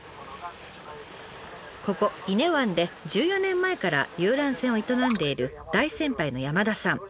ここ伊根湾で１４年前から遊覧船を営んでいる大先輩の山田さん。